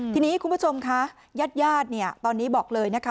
ทีนี้คุณผู้ชมคะญาติญาติเนี่ยตอนนี้บอกเลยนะคะ